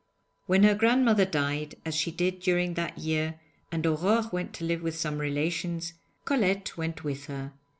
When her grandmother died, as she did during that year, and Aurore went to live with some relations, Colette went with her.